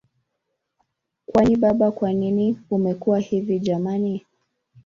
Kwani baba kwanini umekuwa hivi jamani